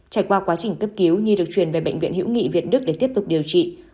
trải qua quá trình cấp cứu nhi được truyền về bệnh viện hữu nghị việt đức để tiếp tục điều trị